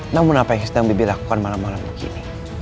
namun apa yang sedang bibi lakukan malam malam kini